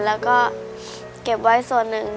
แล้วก็เก็บไว้ส่วนหนึ่ง